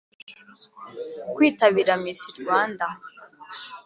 Kwitabira Miss Rwanda